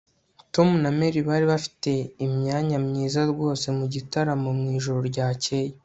Tom na Mary bari bafite imyanya myiza rwose mugitaramo mwijoro ryakeye